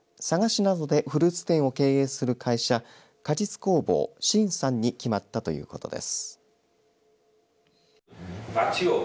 また、運営を担う管理者は佐賀市などでフルーツ店を経営する会社果実工房新ＳＵＮに決まったということです。